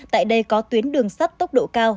tại đây có tuyến đường sắt tốc độ cao